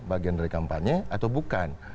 bagian dari kampanye atau bukan